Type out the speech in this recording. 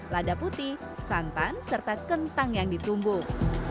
lada putih santan serta kentang yang ditumbuk